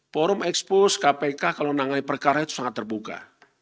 forum expose kpk kalau menangani perkara itu sangat terbuka